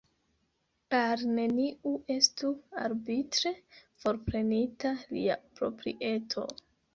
Al neniu estu arbitre forprenita lia proprieto.